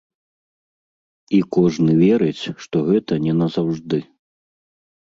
І кожны верыць, што гэта не назаўжды.